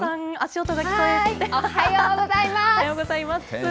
おはようございます。